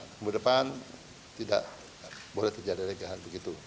kemudian tidak boleh terjadi hal hal begitu